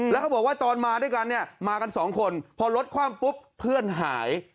แล้วเขาบอกว่าตอนมาด้วยกันเนี่ยมากันสองคนพอรถคว่ำปุ๊บเพื่อนหาย